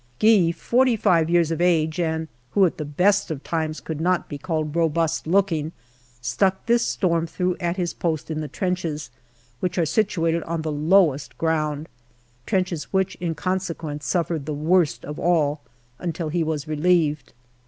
Gee, forty five years of age, and who at the best of times could not be called robust looking, stuck this storm through at his post in the trenches, which are situated on the lowest ground trenches which in consequence suffered the worst of all until he was relieved.